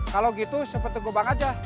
kalau gitu seperti gebang aja